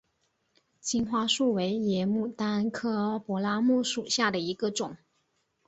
金花树为野牡丹科柏拉木属下的一个种。